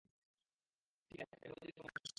ঠিক আছে, বোঝাবুঝির সময় শেষ।